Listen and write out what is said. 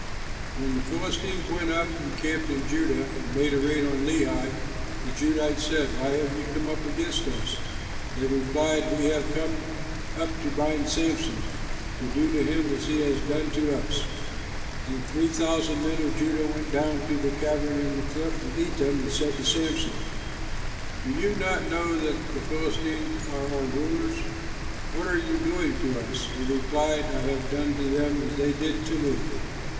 When the Philistines went up and camped in Judah and made a raid on Lehi, the Judahites said, "Why have you come up against us?" They replied, "We have come up to bind Samson, to do to him what he has done to us." Then three thousand men of Judah went down to the cavern in the cliff of Etam and said to Samson, "Do you not know that the Philistines are our rulers? What are you doing to us?" He replied, "I have done to them as they did to me."